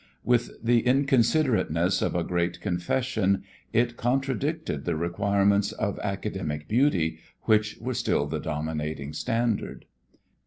With the inconsiderateness of a great confession it contradicted the requirements of academic beauty which were still the dominating standard.